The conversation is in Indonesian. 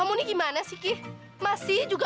rusuk rusuk rusuk rusuk